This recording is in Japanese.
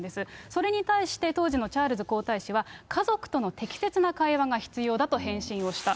それに対して、当時のチャールズ皇太子は家族との適切な会話が必要だと返信をした。